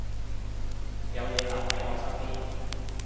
有你留喺我身邊